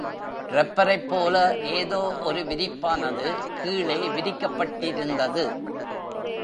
ரப்பரைப்போல ஏதோ ஒரு விரிப்பானது கீழே விரிக்கப்பட்டிருந்தது.